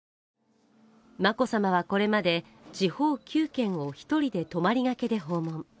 眞子さまはこれまで地方９県を１人で泊まりがけで訪問。